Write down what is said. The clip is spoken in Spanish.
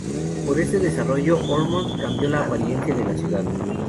Por este desarrollo, Ormond cambió la apariencia de la ciudad.